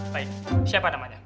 baik siapa namanya